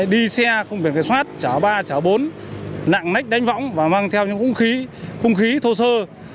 đi xe không biển kiểm soát chở ba chở bốn nặng nách đánh võng và mang theo những khung khí thô sơ